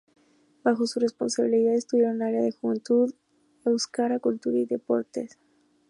Bajo su responsabilidad estuvieron el área de Juventud, Euskara, Cultura y Deportes.